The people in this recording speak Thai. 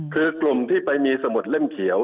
คือกลุ่มที่ไปมีสมุดเล่มเขียว